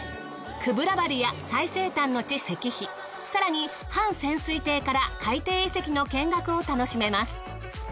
久部良バリや最西端之地石碑さらに半潜水艇から海底遺跡の見学を楽しめます。